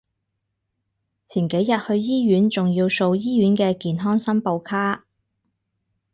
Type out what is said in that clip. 前幾日去醫院仲要掃醫院嘅健康申報卡